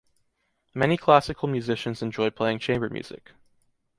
Many classical musicians enjoy playing chamber music.